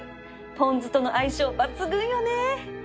ポン酢との相性抜群よね